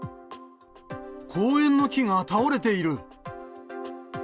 公園の木が倒れている。